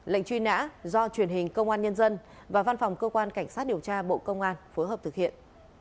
lệnh truy nã do truyền hình công an nhân dân và văn phòng cơ quan cảnh sát điều tra bộ công an phối hợp thực hiện